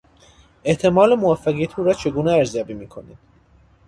احتمال موفقیت او را چگونه ارزیابی می کنید؟